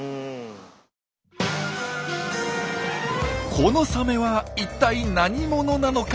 このサメは一体何者なのか？